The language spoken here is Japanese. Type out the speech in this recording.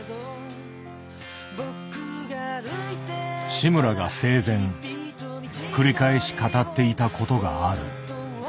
志村が生前繰り返し語っていたことがある。